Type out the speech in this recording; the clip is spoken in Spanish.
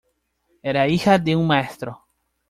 Era hija de un maestro.